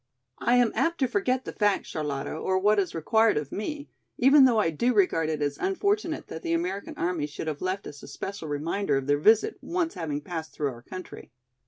"I am apt to forget the fact Charlotta, or what is required of me, even though I do regard it as unfortunate that the American army should have left us a special reminder of their visit, once having passed through our country."